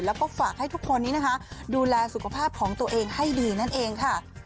แล้วก็ฝากให้ทุกคนนี้นะคะดูแลสุขภาพของตัวเองให้ดีนั่นเองค่ะ